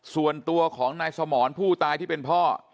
ส่วนตัวของนายสมรผู้ตายที่เป็นพ่อ